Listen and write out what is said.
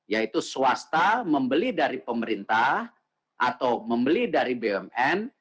yaitu swasta membeli dari pemerintah atau membeli dari bumn